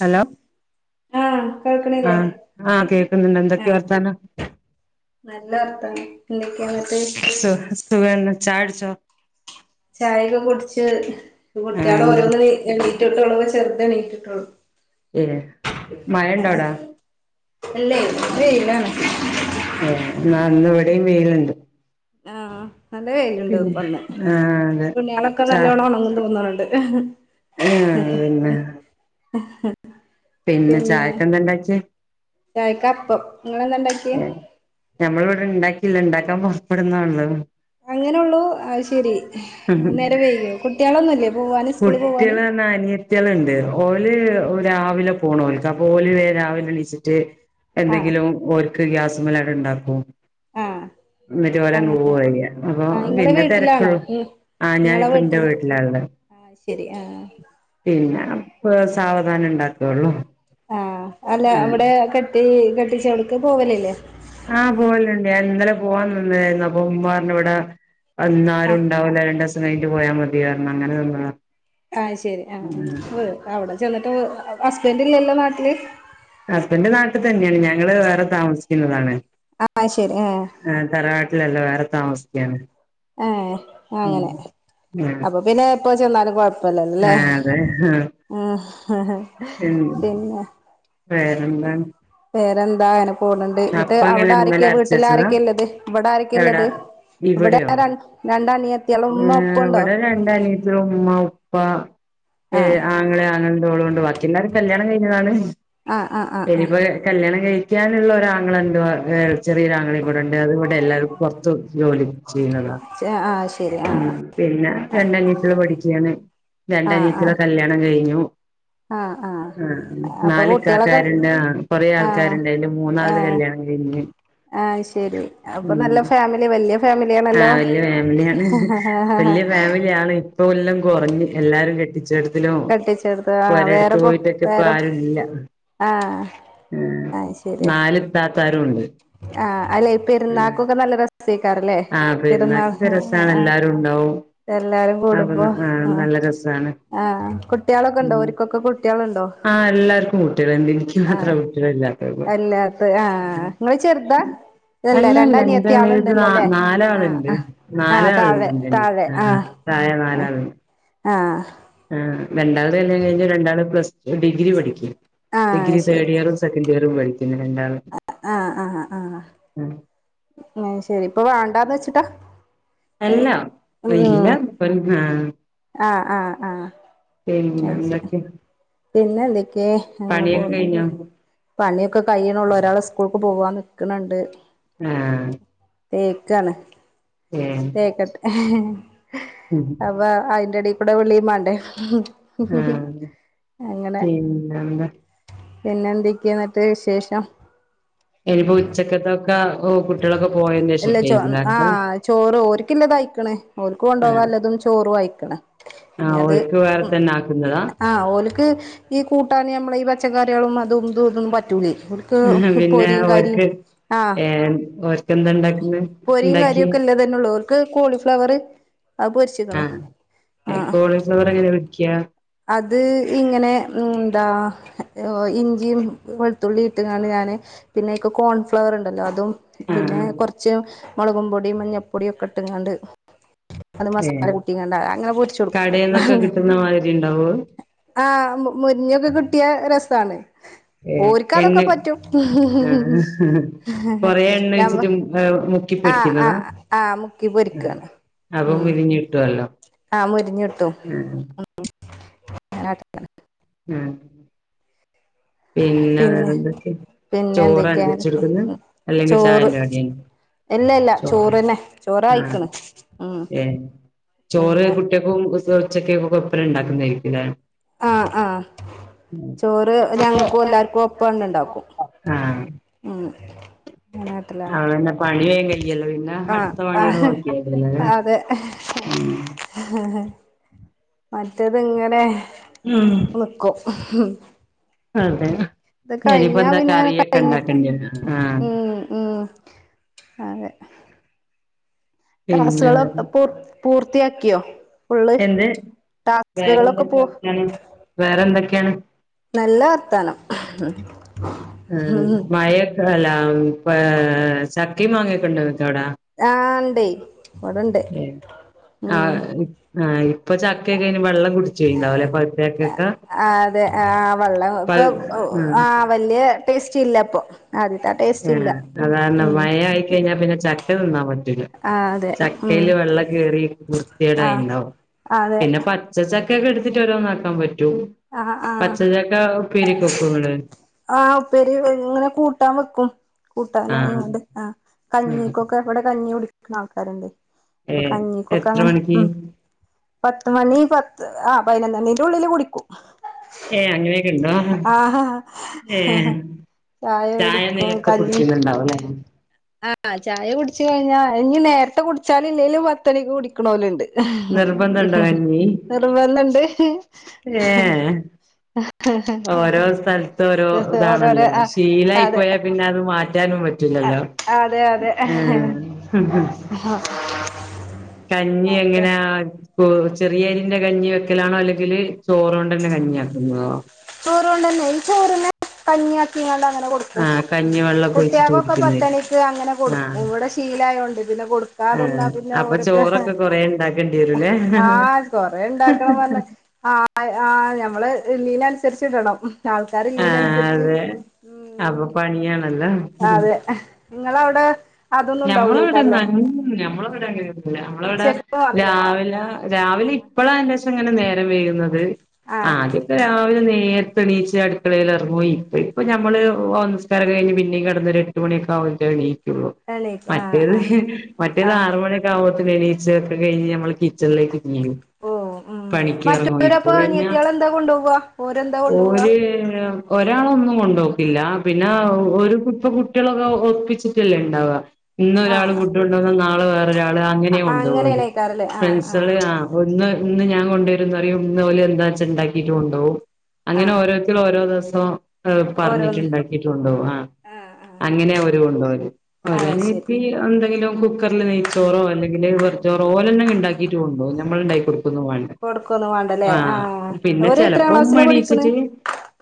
Hello ആഹ് കേൾക്കണില്ലേ ആഹ് ആഹ് കേക്കുന്ന്ണ്ട് എന്തൊക്കെ ആഹ് വർത്താനം നല്ല വർത്താനം എന്തൊക്കെയാ എന്നിട്ട് സുഹ സുഹന്നെ ചായടിച്ചോ ചായെക്കെ കുടിച്ച് ആഹ് കുട്യോളെ എന്ത് ഓരോന്ന് ണീ എണീ റ്റ്ട്ടൊള്ളൂ ഇന്ന് ചെർതെണീറ്റിട്ടുള്ളൂ ഏ മഴണ്ടോവ്ടെ എല്ലേ ഇന്ന് വെയിലാണ് ഏ ന്നാന്ന് ഇവടിം വെയില്ണ്ട് ആഹ് നല്ല വെയില്ണ്ട് പിന്നെ ഇപ്പന്ന് ആഹ് അതെ തുണ്യേളൊക്കെ നല്ലോണം ഒണങ്ങുന്ന് തോന്ന്ണ്ട് എഹ് ആഹ് പിന്നെ എ ഹ പിന്നെ ചായക്കെന്താണ്ടാക്ക്യേ ചായക്കപ്പം ഇങ്ങളെന്താണ്ടാക്കിയെ ഞമ്മള് ഇവിടെ ഇണ്ടാക്കില്ല ഇണ്ടാക്കാൻ പുറപ്പെടുന്നൊള്ളൂ അങ്ങിനെ ഉള്ളൂ ആയ്ശരി- നേരം വൈകിയോ കുട്ടികളൊന്നുംല്ലേ കുട്ടികള [unintelligible] ട്ടികുളുണ്ട് ഓല് രാവിലെ പോണ് ഓല്ക്ക് ഓല് രാവിലെ എണിച്ചിട്ട് ആഹ് എന്തെങ്കിലും ഓൽക്ക് ഗ്യാസ് നിങ്ങൾ ഏറെ ഇണ്ടാക്കും ആഹ് ഇത്പോലെ നൂവ് വയ്യ അപ്പൊ ആ ഇങ്ങളെ പിന്നെ വീട്ടിലാണോ തിരക്കുള്ളൂ ഉം ആ ഇങ്ങളെ ഞാനിപ്പ എന്റെ വീട്ടിൽ വീട്ടിലാള്ളേ ആഹ് ശരി ആഹ് പിന്നെ ആഹ് അക്ബസ്- സാവധാനം ഉണ്ടാക്കുവള്ളു ആ അല്ല അവിടെ കെട്ടി കെട്ടിച്ചോടക്ക് പോവലില്ലേ ആഹ് പോവലുണ്ട് ഞാൻ ഇന്നലെ പോവാൻ നിന്നായിരുന്നു അപ്പ ഉമ്മപറഞ്ഞു ഇവിടെ ആഹ് അന്നാരുമുണ്ടാവില്ല രണ്ടിസം കഴിഞ്ഞിട്ട് പോയാ മതിയറഞ്ഞു അങ്ങനെനിന്നതാ ആയ്ശരി ആ വ് അവിടെ ചെന്നിട്ട് ഹസ്ബൻഡറ് ഇല്ലല്ലോ നാട്ടില് ഹസ്ബന്റ് നാട്ടിൽ തന്നെയാണ് ഞങ്ങള് വേറെ താമസിക്കുന്നതാണ്. ആഹ് ശരി ആഹ് ആ തറവാട്ടിലല്ല വേറെ ടെ താമസിക്കാണ് ആ ആ ഉം ആഹ് അപ്പൊ പിന്നെ പ്പചെന്നാലും കൊഴ് പ്പല്ല ല്ലേ ആഹ് അതെ ആഹ് ഉം ഉം പിന്നെ വേറെന്താണ് പേറെന്ത [unintelligible] പോണ്ണ്ട് എന്നിട്ട് അപ്പം എങ്ങനെ അവിടെ ആരൊക്കെ ഇന്നലെ അരച്ച് വീട്ടില് വെച്ചതാ ആരൊക്കെ ഉള്ളത് ഇവിടെ ആാരൊക്കെ എവിടാ ഉള്ളത് ഇവിടെ ഇവിടെയോ [unintelligible] രണ്ടാ നിയ ഇവിടെ രണ്ടഅനിയത്തി ഉമ്മ ഉ പ ഏ ആഹ് ആങ്ങളെ ആങ്ങളന്റോളുംണ്ട് ബാക്കിള്ളോര് കല്യാണം കഴിഞ്ഞതാണ് ആഹ് ആഹ് ആഹ് ഇനിയിപ്പോ കല്യാണം കഴി പിക്കാനുള്ള ഒരാങ്ങള ണ്ട് ഗൾ ചെറിയാങ്ങളീം കൂടെണ്ട് [unintelligible] എല്ലരും പുറത്തു ജോലി ജീനത ആഹ് ആഹ് ശരി ആഹ് ഉം പിന്നെ രണ്ടാനീത്തികൾ പഠിക്കുകയാണ് ആഹ് രണ്ടനീത്തിൾടെ കല്യാണം കഴിഞ്ഞു ആഹ് ആഹ് ആഹ് ആ അപ്പൊ നാല് കുട്ടികളൊക്കെ കക്കാരുണ്ട് കൊറെേ ആഹ് ആൾക്കാരുണ്ടായലും മൂന്നാമത് ആഹ് കല്യാണം കഴിഞ്ഞ് ആഹ് ശരി അപ്പൊ ഉം നല്ല ഫാമിലി വല്യ ഫാമിലിയാണല്ലോ ആഹ വല്യ ഫാമിലിയാണ് വല്യ ഫാമിലിയ ആണ് ഇപ്പ എല്ലാം കുറഞ്ഞ് എല്ലാവരും കെട്ടിച്ചെടുത്ത് കെട്ടിച്ചെടുത്ത് ആഹ് ഒരടുത്ത് വേറെപ്പോ പോയിട്ടക്കെ ഇപ്പ വേറെ ആരുംല്ല ആഹ് അത് ശരിയാ നാല ഇത്താത്ത ആരുുംണ്ട് ആഹ് അല്ലെ ഇപ്പ ഇരുന്നാക്കൊക്കെ നല്ല രസ ല്ലേ ആഹ് രുന്നാൾ പെരുന്നാക്കൊക്കെ രസാണ് എല്ലാരും ഉണ്ടാവും എല്ലാരും അപ്പൊ കൂടുമ്പോ ആഹ് നല്ല രസാണ് ആ കുട്ടികളൊക്കെണ്ടോ ഒരിക്കൊക്കെ കുട്ടികളുണ്ട് ആഹ എല്ലാർക്കും കുട്ടികളിണ്ട് എനിക്ക് മാത്ര ആഹ് കുട്ടികൾ ഇല്ലാത്തെഒള്ളു അല്ലാത്ത ആഹ് ഇങ്ങള് ചെറുതാ അല്ല അല്ലല്ല ന്റെ എളേത് ന രണ്ടനിയത്തിയാളുണ്ടല്ലോ ല്ലേ ആഹ് നാലാളുണ്ട് ആഹ് ആഹ് നാലാളുണ്ട് താഴെ എന്റെണ താഴെ ആ പ്രായ നാലാളണ്ട് ആ ആ രണ്ടാമത് കല്യാണം കഴിഞ്ഞ രണ്ടാള് പ്ലസ് ഡിഗ്രി പഠിക്കും ഡിഗ്രീ തേർഡ് ഇയറും സെക്കൻ ഇയറും രണ്ടാളും ആ ആ ആ ആ ഉം അഹ് ശരി ഇപ്പ വേണ്ടാന്ന് വെച്ചിട്ടാ അല്ല ഉം വല്ലപ്പ [unintelligible] ആഹ് ആഹ് ആഹ് പിന്നെ അയ് ശരി എന്തൊക്കെ പിന്നെ ക്കെ അങ്ങനെ പണിയൊക്കെ പോകുന്നു കഴിഞ്ഞോ പണിയൊക്കെ കഴിയണുള്ള ഒരാൾ സ്കൂ സ്ക്കൂൾക്ക് പോകാൻ നിക്കണ്ണ്ട് ആ തേക്കാണ് മ് [unintelligible] അപ്പ അയിന്റെടികു നമ്മടെ വിളീം വേണ്ടേ മ് പിനെന്താ പിന്നെന്തൊക്കെയ എന്നിട്ട് വിശേഷം ഇനീപ്പോ ഉച്ചക്കത്തെ അല്ല ചോ ല്ലേ ആക്കാ ആഹ് ചോറ് ഓരിക്ക് ഉള്ളതാ അക്കണേ ഓൾക്ക് കൊണ്ടു ആഹ് പോവാൻ ഉള്ളതും ചോറും അയിക്ണ് ഇനി ആഹ് അത് ഓര്ക്ക് വേറെ ഉ തന്നെ ആക്കുന്നതാ ആ ഓൽക്ക് ഈ കൂട്ടാനും നമ്മള് ഈ പച്ചക്കറികളും അത്- അതും ഇതും ഒന്നും പറ്റൂലേ പിന്നെ പൊരിയും ഓർക്ക് കരിയും ആ എയാ- പൊരിയും കരിം ഒക്കെ ഇല്ലത് ന്നെള്ളൂർക്ക് കോളിഫ്ലവർ അത് പൊരി ചേക്കണു ആഹ് കോളിഫ്ലവർ എങ്ങനെ വെക്ക അത് ഇങ്ങനെ എന്താ ഇഞ്ചിയും വെളുത്തുള്ളി ഇട്ട് കണ്ട് ഞാൻ പിന്നെ യിക് കോൺഫ്ലവർ ഉണ്ടല്ലോ അതും പിന്നെ ആഹ് കൊറച്ച് മൊളകും പൊടി മഞ്ഞപ്പൊടി ഒക്കെഇട്ട്കാണ്ട് അത് മസാല കൂട്ടികാണ്ട് അങ്ങനെ പൊരിച്ചൊട്ക്കും കടേന്നൊക്കെ അങ്ങനെ കിട്ടുന്ന മാതിരി ഉണ്ടാവോ ആ മു മു ഇനിയൊക്കെ കിട്ടിയ രസമാണ് എണ്ണയി ആ കൊറെ എണ്ണ ഞമ്മ ഒഴിച്ചിട്ട് ആഹ് മുക്കിപ്പോരിക്കുന്നതാ ആഹ് ആഹ് മുക്കി പൊരിക്കാണ് അപ്പ ഉം മൊരിഞ്ഞു കിട്ടുവല്ലോ ആഹ് മൊരിഞ്ഞ് കിട്ടും ഉം [unintelligible] ഉം പിന്നെ വേറെന്തൊക്കെ പിന്നെ ചോറാണ് എന്തൊക്കെയാ വെച്ചെടുക്കുന്നെ അല്ലെങ്കി ചോറ് ചായന്റെ കടീ ഇല്ല ഇല്ല ചോ ചോറ്ന്നെ ആഹ് ചോറായിക്കണ് ഉം ഏഹ് ചോറ് അങ്ങനെ കുട്ട്യാക്കും ഉച്ചക്കെക് ഇപ്പരെ ഉണ്ടാക്കുന്നേയിരിക്കൂല്ലെ ആഹ് ആഹ് ചോറ് ഞങ്ങക്കും എല്ലാർക്കും ഒപ്പന്നെ ഇണ്ടാക്കും ഉം നാട്ടിലാണ് അതന്നെ പണി കഴിഞ്ഞ് ആഹ് ആഹ് ല്ലേ അതെ ഉം മറ്റേത്ങ്ങനെ ന്ന്ക്കും അതെ ഇത് ഇനിയിപ്പോ കഴിഞ്ഞാ എന്താ പിന്നെ കറിയൊക്കെ കഴിഞ്ഞിട്ടും ഉണ്ടാക്കണ്ടേ ആഹ് ഉം ഉം അതെ പിന്നെ ടാസ്കളൊക്കെ പൂ പൂർത്തിയാക്കിയോ? ഫുള്ള് എന്ത് ടാസ്ക്കളൊക്കെ വേറെന്തൊക്കെ പൂ വർത്താനം വേറെന്തൊക്കെയാണ് നല്ല വർത്താനം ഉം മഴേ അല്ലാം പ ചക്കേം മാങ്ങക്കൊണ്ടോ? [unintelligible] ടാ ണ്ടേയ് ഏ ആഹ് ആഹ് ഇപ്പൊ ചക്കയക്കെ കെഞ് വെള്ളം കുടിച്ചൊയ്ണ്ടാവുംല്ലേ പഴുത്തചക്കേക്ക ആ അതെ ആ വെള്ളം ഇപ്പൊ പഴു ആ വല്യ ടേസ്റ്റ് ഇല്ല ഇപ്പൊ ആദ്യത്തെ ആ ടേസ്റ്റ് ഇല്ല ആഹ് അതാണ് ഉം മഴ ആയി കഴിഞ്ഞാ പിന്നെ ചക് തിന്നാ മതി ആ അതെ ഉം ചക്കയില് വെള്ളം കേറി ആ വൃത്തികേടായിണ്ടാവും അതെ പിന്നെ പച്ച ചക കേക്ക് എടുത്തിട്ട് വരാ [unintelligible] ആ ആഹ് ഉപ്പേരിയൊക്കെ വെക്കോ ഇങ്ങള് ആ ഉപ്പേരി ഇങ്ങനെ കൂട്ടാൻ വെക്കും ആഹ് കൂട്ടാനായിങണ്ട് ആ ആഹ് കഞ്ഞീക്കൊക്കെ ഇവിടെ കഞ്ഞി കുടിക്കു നമസ്കാരംണ്ട് പ്പൊ ഏഹ് കഞ്ഞിക്കൊക്കെ എത്ര അങ്ങനെ മണിക്ക് ഉം പത്തുമണി പ ആഹ് പൈനെന്തണീന്റെ ഉള്ളില് കുടിക്കും ഏ അങ്ങനെയൊക്കെ ഉണ്ടോ ആഹാ ഏ ചായ കുടിക്കും നേരത്തെ കഞ്ഞി കുടിക്കുന്നുണ്ടാവുംല്ലേ ആഹ് ചായ കുടിച്ച കഴിഞ്ഞാ ഇനിനി നേരത്തെ കുടിച്ചാല ഇല്ലേലും പത്തണിക്ക് കുടിക്കണലുണ്ട് നിർബന്ധണ്ടോ നിറമന്നണ്ട് ഏ ഓരോ സ്ഥലത്തും ഓരോ ഓരോരോ ഇതാണല്ലോ ആ ശീലായി അതെ പോയാൽ പിന്നെ അത് മാറ്റാനും പറ്റും അതെ ോ അതെ കഞ്ഞി ഓക്കെ എങ്ങനെ ചെറിയരിന്റെ കഞ്ഞി വെക്കലാണോ അല്ലെങ്കില് ചോറണ്ട തന്നെ കഞ്ഞി ആക്കുന്നതോ ചോറ്ുക കൊണ്ടന്നെ ഈ ചോറിനെ പനിയാക്കിണ്ട ആഹ് കഞ്ഞി വെള്ളൊക്കെ ഒഴിച്ചിട്ട് കുടിക്കുന്നേ ആഹ് ആഹ് അപ്പൊ ചോറൊക്കെ കൊറേ ഇണ്ടാക്കേണ്ടി വരൂലേ ആഹ് അ ആ നഞമ്മള് ലീല തീർച്ചീട്ടടോ ആൾക്കാർീനനുസരിച്ച് അതെ ഉ അപ്പൊ പണിയാണല്ലോ അതെ നിങ്ങളവിടെ അതൊന്നും ഞമ്മളെ ഇവിടെ ഉണ്ടാവൂലേക്കാരല്ലേ ന ഞമ്മളെവിടെില്ല നമ്മള ഇവിടെ ഉച്ചക്ക് മാത്രം രാവിലെ രാവിലെ ഇപ്പളാ എ അങ്ങനെ നേരം വേകുന്നത് ആ ആഹ് അതൊക്കെ രാവിലെ നേരെ തെണീച്ച് അടുക്കളയിൽ ഇറങ്ങയി ഇപ്പ ഇപ്പ ഞമ്മള്ഓ സംസ്കാരം കഴിഞ്ഞ് പിന്നെയും കടന്നൊ ഒരു എട്ട് മണിയൊക്കെ ആുമ തണി ഇ എണീക്കും ആഹ് മറ്റേത് ആഹ് മറ്റേത് ആഹ് ആറ മണിയക്കെ ീച്ച ഒക്കെ കഴിഞ്ഞ് നമ്മള് കിച്ചണിലേക്ക് നീങ്ങും ഓ ഉം പണിക്ക് ഇറങ്ങും ഇപ്പൊ മറ്റരപ്പൊ പിന്നെ അനിയത്തിയാൾ എന്താ കൊണ്ടുപോവവാ ഓരെന്താ കൊണ്ടു പോോവാ ഓര് ഒരാളൊന്നും കൊണ്ടുപോക്കില്ല പിന്നെ ആഹ് ഒരു കുപ്പ കുട്ടികളൊക്കെ ഒപ്പിച്ചിട്ടല്ലേ ഉണ്ടാവുക ഇന്ന ഒരാൾ ആഹ് ഫുഡ്ണ്ടോന്ന നാളെ ആഹ് അങ്ങനെയണ്ട് പോലെ അങ്ങനെയാണേക്കാരല്ലേ ആഹ് ഫ്രണ്ട്സ ആഹ് ആ ഒ ഒന്ന് ഞാൻ കൊണ്ടുവരുംന്ന്റിയ ഇന്ന് പോലെ എന്താ വെച്ചാണ്ടാക്കീട്ട കൊുപകും അങ്ങനെ ആഹ് ഓരോത്തും ഓരോ ദിവസ ആസ ഓരോന്ന് പറഞ്ഞിട്ടുണ്ടാക്കിട്ടുണ്ടോ ആ ആഹ് ആഹ് അങ്ങനെ ഒരു ഉണ്ടോ ഒരുര ആഹ് ശരി എന്തെങ്കിലും കുക്കറിൽ നെയ്ച്ചോറോ അല്ലെങ്കിൽ വെറു ചോറോഓലല്ലെ ഉണ്ടാക്കിട്ടുംുണ്ടോ നമ്മൾ ഉണ്ടാക്കക്ക കൊടുക്കും കൊടുക്കൊന്നും വേണ്ടല്ലേ ആ ആഹ് പിന്നെ അവര് എത്രാം ചെിലപ്പോ ക്ലാസ്സിലാ പഠിക്കണ് മണിച്ചിട്ട്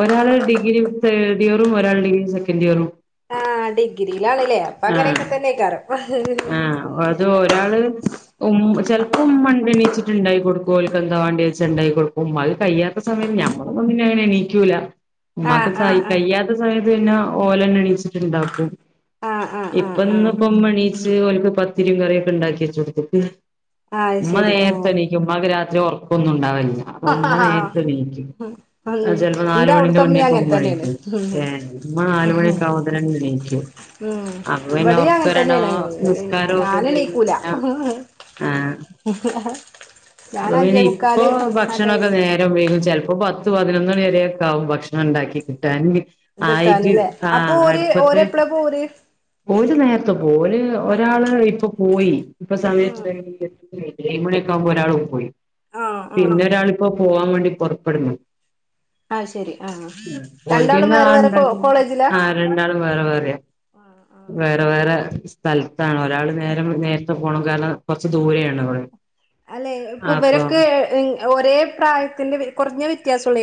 ഒരാള് ഡിഗ്രി തേർഡ് ഇയറും ഒരാൾ ഡിഗ്രി സെക്കൻഡ് ഇയറും ആ ഡിഗ്രി ഇയാണല്ലേ അപ്പൊ ആഹ് അങ്ങനെയൊക്കെ തന്നെക്കാറ ആഹ് അത് ഒരാള് ഉം ചിലപ്പം മ്മണീച്ചിട്ട് ഉണ്ടായി കൊടുക്കും ഓൽകെന്താവാണ്ടി വെച്ച ഉണ്ടായി കൊടുക്കും അത് കയ്യാത്ത സമയം ഞമ്മ ഒന്ന്ങ്ങനെ എണീക്കൂല്ല ഉമ്മാക്ക് ആഹ് ആഹ് ആഹ് കയ്യാത്ത സമയത്ത് ന്നെ ഓലണ് എണിച്ചിട്ടുണ്ടാക്കും ആഹ് ആഹ് ആഹ് ആഹ് പ്പമ്മണീച്ച് ഓൽക്ക് പത്തിരിം കറിയൊ ക്കെ ണ്ടാക്കി വച്ച് കൊടുക്കും അത് ഉമ്മ ശരി ആഹ് നേരത്തെണീക്കും മ്മാക്ക് രാത്രി ഓർ ഒന്നും ഉണ്ടാവില്ല അ ഉമ്മ നേരത്തെ നീക്കും ഉം ചെിലപ്പോ എന്റെ നാലുമണിന്റെ അവിടുത്തെ ഉമ്മയും മുന്നേൊക്കെ അങ്ങനെ തന്നെയാണ് ഉമ്മണീക്കും ഏ ഉമ്മ നാലുമണിയൊക്കെ ആവുമ്പോത്ത് തന്നെ നീക്കും ഉ ഇവിടെ അങ്ങനെ തന്നെയാണ് നിസ്കാരം ഒക്കെ കഴിഞ്ഞ് ഞാനണീക്കൂല പിന്നെ ആ ഞൻ അഞ്ചേ മുക്കാല് ക്ഷെണൊക്കെ ടൈമിൽ നേരം വൈകു ചലപ്പോം പ്പ പത്ത് പതിനൊന്ന് മണി വരെയൊക്കെ ആകും ഭക്ഷണം ഉണ്ടാക്കി കിട്ടാൻ ആയിട്ട് തിട്ടാന്ല്ലേ അപ്പൊ ഓരെപ്പളാ പോവല് ഓര് നേരത്തെ പോവും ഓല് ഒരാള് ഇപ്പൊ പോയി ഇപ്പൊ ഉം സമയത്ത് എത്രായി ഏഴ് മണിയോക്കെ ആവുമ്പ ഒരാള് പോയി ആഹ് ആഹ് പിന്നെ ഒരാളിപ്പോ പോവാൻ വേണ്ടി പൊറപ്പെടുന്നു അയ്ശരി ആഹ് ഓൽക്ക് രണ്ടാളും പിന്നെ ആ വേറെ വേറെ കോ ഉണ്ടാക്കി കോളേജിലാ ആ രണ്ടാളും വേറെ വേറെയാ വേറെ വേറെ സ്ഥലത്താണ് ഒരാള് നേര നേരത്തെ പോണം കാരണം കൊറച്ച് ദൂരെയാണ് അവള് അല്ലെ ഇപ്പൊ വരക്ക് ഒരേ പ്രായത്തിന്റെ കുറഞ്ഞ വ്യത്യാസം ഉുള്ള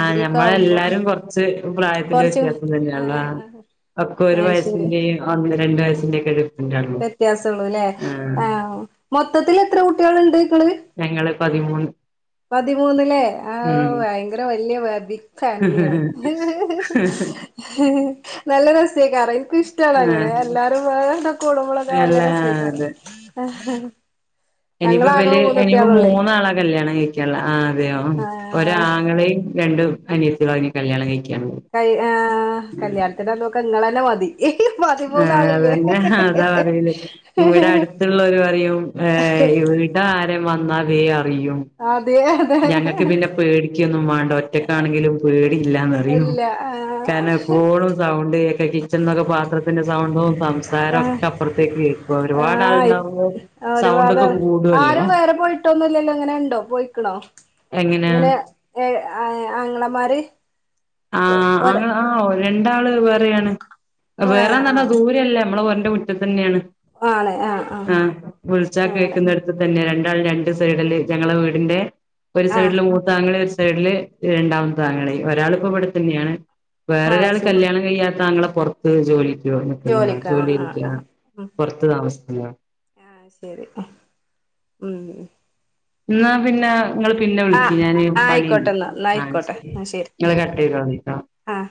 ആഹ് ഞമ്മളെല്ലാരും കൊറച്ച് പ്രായത്തി കൊറച്ച് വ്യത്യാസം തന്നെയള്ള ആഹ് ഒക്കെ ഒരു അത് ശരി വയസിന്റെ ഒ രണ്ടു വയസിന്റെ ഒക്കടും വ്യത്യാസള്ളൂല്ലേ ആഹ് മൊത്തത്തിൽ എത്ര കുട്ടികൾുണ്ട് നിങ്ങള് ഞങ്ങള് പതിമൂന്ന് പതിമൂന്നിലേ ആ ഉം ഭയങ്കര വല്ിയ [unintelligible] ഫാമിലിയാണ് [unintelligible] നല്ല രസക്കാരം ൻക്ക് ഷ്ടാണ് അങ്ങനെ ആഹ് എല്ലാരും മ്പാടെ കൂടുമ്പളൊക്കെ അല്ല നല്ല രസ്ക്കാരം അതെ [unintelligible] ഇനിയിപ്പോ വല് ഇനിയിപ്പോ മൂന്നാളാ കല്യാണം കഴിക്കാനുള്ള ആഹ് അതെയോ ഒര് ആഹ് ആങ്ങളെയും രണ്ടും അനിയസ അ കല്യാണം കഴും ക് [unintelligible] കല്യാണത്തിന്റെന്നൊക്കെ നിങ്ങളെ ധവാി [unintelligible] ആ അതന്നെ അതാ പറയിലേ ഇവിടെ അടുത്തുള്ളവര് പറയും ഏ ഇട്ട വന്നാ വേ അതെ ഞങ്ങൾക്ക് പിന്നെ പേടിക്കൊന്നും വേണ്ട ഒറ്റക്കാണെങ്കിലും പേടല്ലന്ന അറിയോ ഇല്ല കാരണം ആഹ് എപ്പോഴും സൗണ്ട് കിച്ചണ എന്നൊക്കെ പാത്രത്തിന്റെ സൗണ്ടും ആഹ സംസാരൊക്കെ അപ്പുറത്തേക്ക് കേക്കും ഒരുപാട് ആളുണ്ടാവുമ്പോ ആ ഒരുപാട് സൗണ്ടൊക്കെ കൂടുവല്ലോ ആരും വേറെ പോയിട്ടോൊന്നുംല്ലല്ലോ അങ്ങനെ ഉണ്ടോ പോയിക്കണോ [unintelligible] എങ്ങനാ അങ്ങനെ ഏ ആങ്ങളമാര് ആഹ ഒര അനെ ആ [unintelligible] രണ്ടാള് വേറെയാണ് ഏഹ് വേറെന്ന പറഞ്ഞാ ആഹ് ദൂരല്ലേ നമ്മള് ഒ [unintelligible] കുട്ടിൽ [unintelligible] തന്നെയാണ് ആണ് ആഹ് ആഹ് ആഹ വിളിച്ച അങ്ങനെ കഴിക്കുന്നടുത്ത് തന്നെ രണ്ട് രണ്ട് സൈഡില് ഞങ്ങളെ വീടിന്റെ ഒരു ആഹ് സൈഡില് മൂത്താങ്ങെ സൈഡില് രണ്ടാമത്തെ ആങ്ങളേം ഒരാള് ഇപ്പം ഇവിടെ തന്നെയാണ് ആഹ് വേറൊരാള് ശരി കല്യാണം കഴിയാത്ത ആങ്ങള പൊറത്ത് ജോലി ജോലി നിൽക്കുന്നതാ ജോലിക്ക് ജോലി ആഹ് ആഹ് ചെയ്തിട്ടു ആ ആഹ് ഉം പുറത്ത് താമസിക്കുന്നതാ ആഹ് ശരി ഉം എന്നാ പിന്നെ ഇങ്ങള് പിന്നെ വിളിക്ക് ആഹ് ഞാന് പണിയണ്ട് ആയിക്കോട്ടെന്നാ എന്നാ എന്നാ ആ ആയിക്കോട്ടെ ശരി എന്നാ ഇങ്ങള് കട്ട്‌ ചെയ്തോളിന് കേട്ടോ ആഹ്